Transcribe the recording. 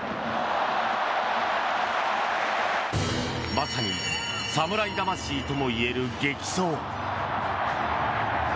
まさに侍魂ともいえる激走。